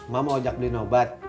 mak mau ajak beliin obat